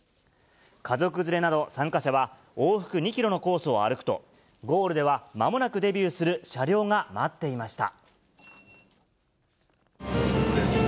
家族連れなど参加者は往復２キロのコースを歩くと、ゴールではまもなくデビューする車両が待っていました。